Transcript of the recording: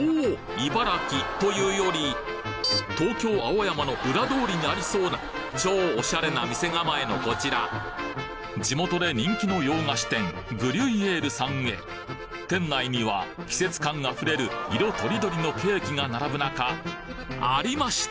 茨城というより東京青山の裏通りにありそうな超オシャレな店構えのこちら地元で人気の洋菓子店店内には季節感溢れる色とりどりのケーキが並ぶ中ありました！